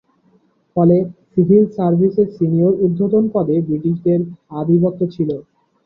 ফলে সিভিল সার্ভিসের সিনিয়র ঊর্ধ্বতন পদে ব্রিটিশদের আধিপত্য ছিল।